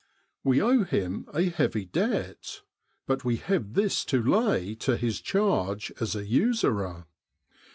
We owe him a heavy debt, but we have this to lay to his charge as a usurer.